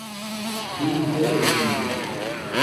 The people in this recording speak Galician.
vinte e un